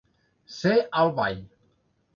Ser al ball.